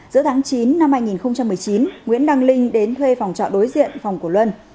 giữa tháng chín năm hai nghìn một mươi chín nguyễn đăng linh đến thuê phòng trọ đối diện phòng của luân